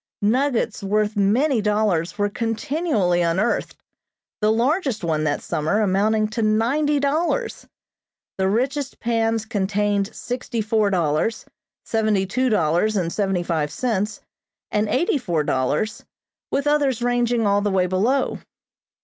Nuggets worth many dollars were continually unearthed, the largest one that summer amounting to ninety dollars. The richest pans contained sixty four dollars, seventy two dollars and seventy five cents and eighty four dollars, with others ranging all the way below.